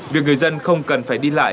việc người dân không cần phải đi lại